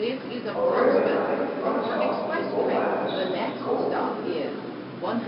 A railway line runs out through both islands to Cobh.